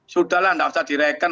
sudahlah tidak usah direken